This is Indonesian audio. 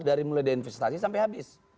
dari mulai dari investasi sampai habis